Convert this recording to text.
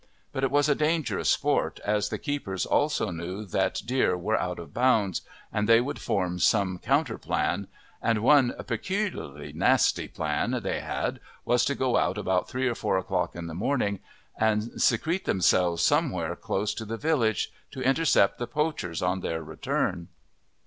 But it was a dangerous sport, as the keepers also knew that deer were out of bounds, and they would form some counter plan, and one peculiarly nasty plan they had was to go out about three or four o'clock in the morning and secrete themselves somewhere close to the village to intercept the poachers on their return.